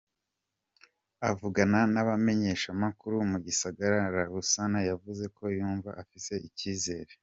Avugana n’abamenyeshamakuru mu gisagara ca Lausanne, yavuze ko yumva afise icizere.